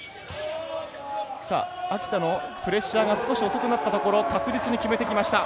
秋田のプレッシャーが少し遅くなったところ確実に決めてきました。